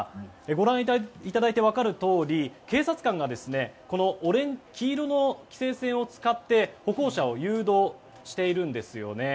ご覧いただいて分かるとおり警察官がこの黄色の規制線を使って歩行者を誘導しているんですよね。